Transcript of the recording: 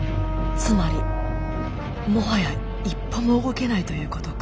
つまりもはや一歩も動けないということか。